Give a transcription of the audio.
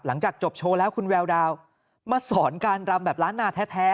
หลังจากจบโชว์แล้วคุณแววดาวมาสอนการรำแบบล้านนาแท้